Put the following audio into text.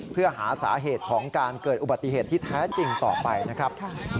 เพื่อหาสาเหตุของการเกิดอุบัติเหตุที่แท้จริงต่อไปนะครับ